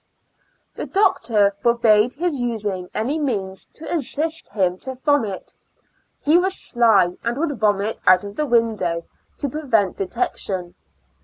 The doctor forbade his using any means to assist him to vomit. He was sly, and would vomit out of the window to prevent detection.